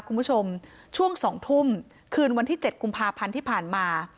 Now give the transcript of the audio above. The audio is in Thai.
คุณผู้ชมช่วง๒ทุ่มคืนวันที่๗กุมภาพันธ์ที่ผ่านมา